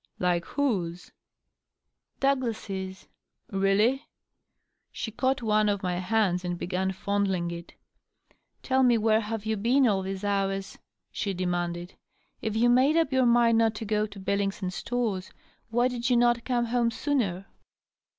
"Like whose?" "Douglas's." "Eeally?" She caught one of my hands and began fondling it. " Tell me where you have been all these hours," she demanded. " If you made up your mind not to go to Billings and Storrs, why did you not come home sooner